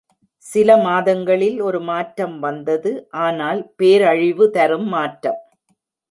சில மாதங்களில் ஒரு மாற்றம் வந்தது, ஆனால் பேரழிவு தரும் மாற்றம்.